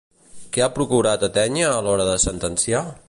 Què ha procurat atènyer a l'hora de sentenciar?